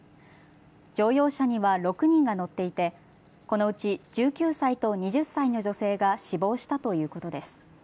乗用車には６人が乗っていてこのうち１９歳と２０歳の女性が死亡したということです。